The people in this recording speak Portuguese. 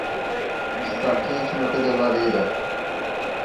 Está quente na velha lareira.